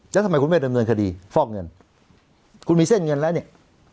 แล้วทำไมคุณไม่ดำเนินคดีฟอกเงินคุณมีเส้นเงินแล้วเนี่ย